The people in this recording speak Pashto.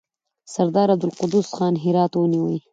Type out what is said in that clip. سردار عبدالقدوس خان هرات ونیوی.